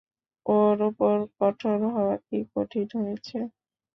ওর ওপর কঠোর হওয়া কি ঠিক হয়েছে?